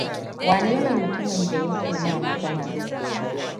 Wanene mutumin da ya ke ma magana?